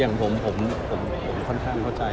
อย่างผมผมค่อนข้างเข้าใจ